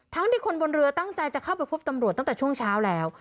ที่คนบนเรือตั้งใจจะเข้าไปพบตำรวจตั้งแต่ช่วงเช้าแล้ว